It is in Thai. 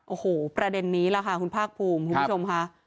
โอ้โหประเด็นนี้ล่ะค่ะคุณภาคภูมิคุณผู้ชมค่ะ